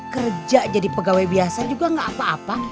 kerja jadi pegawai biasa juga gak apa apa